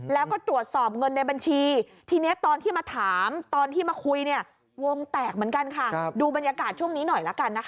แล้วก็ตรวจสอบเงินในบัญชีทีนี้ตอนที่มาถามตอนที่มาคุยเนี่ย